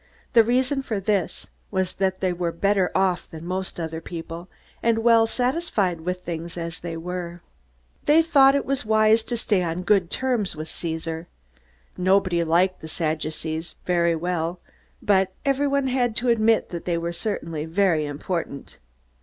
The reason for this was that they were better off than most other people and well satisfied with things as they were. They thought it wise to stay on good terms with Caesar. Nobody liked the Sadducees very well, but everyone had to admit that they were certainly very important.